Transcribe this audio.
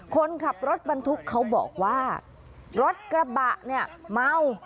คนขับรถบรรทุกเขาบอกว่ารถกระบะเนี่ยเมา